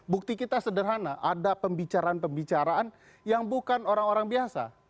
bukti kita sederhana ada pembicaraan pembicaraan yang bukan orang orang biasa